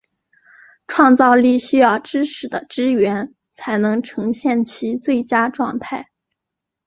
创造力需要知识的支援才能呈现其最佳状态。